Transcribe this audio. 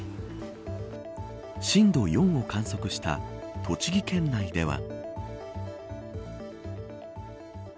震度４を観測した栃木県内では。